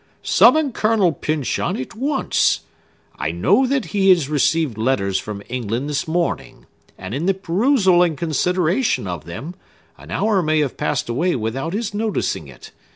Summon Colonel Pyncheon at once! I know that he received letters from England this morning; and, in the perusal and consideration of them, an hour may have passed away without his noticing it.